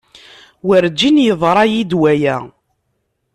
Werjin yeḍra-iyi-d waya.